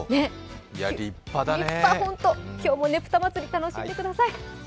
立派、ホント、今日もねぷた祭り、楽しんでください。